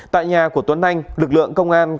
tại nhà của tuấn anh lực lượng công an